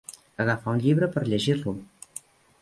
Agafar un llibre per llegir-lo.